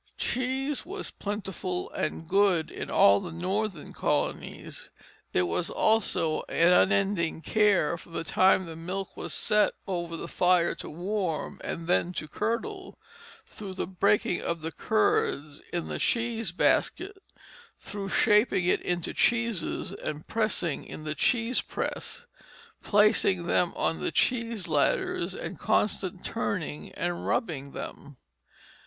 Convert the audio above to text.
Cheese was plentiful and good in all the Northern colonies. It was also an unending care from the time the milk was set over the fire to warm and then to curdle; through the breaking of the curds in the cheese basket; through shaping into cheeses and pressing in the cheese press, placing them on the cheese ladders, and constantly turning and rubbing them.